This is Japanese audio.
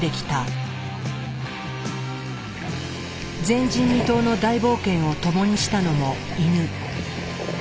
前人未到の大冒険を共にしたのもイヌ。